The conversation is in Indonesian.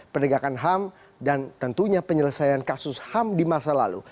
penegakan ham dan tentunya penyelesaian kasus ham di masa lalu